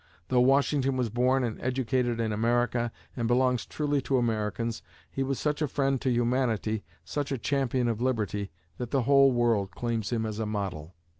Though Washington was born and educated in America and belongs truly to Americans, he was such a friend to humanity, such a champion of liberty, that the whole world claims him as a model.